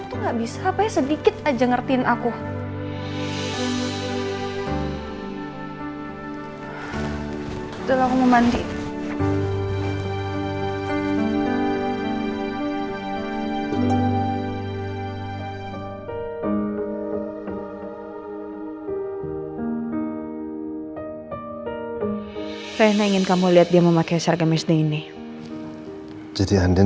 udah ngirim pesan ini